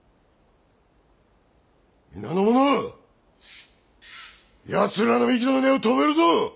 皆の者やつらの息の根を止めるぞ！